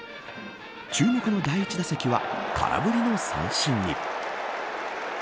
注目の第１打席は空振りの三振に。